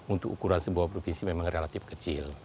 untuk ukuran sebuah provinsi memang relatif kecil